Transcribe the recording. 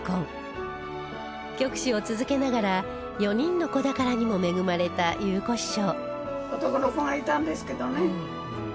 曲師を続けながら４人の子宝にも恵まれた祐子師匠